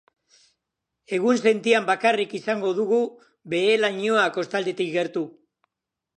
Egunsentian bakarrik izango dugu behe-lainoa kostaldetik gertu.